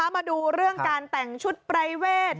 มาดูเรื่องการแต่งชุดปรายเวท